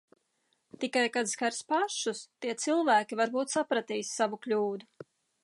Tikai, kad skars pašus, tie cilvēki varbūt sapratīs savu kļūdu.